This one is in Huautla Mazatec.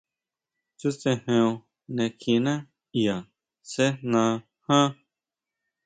Chútsejeon ne kjiná ʼya sejná ján.